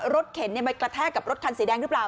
เข็นไปกระแทกกับรถคันสีแดงหรือเปล่า